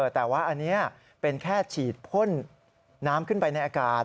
แต่ว่าอันนี้เป็นแค่ฉีดพ่นน้ำขึ้นไปในอากาศ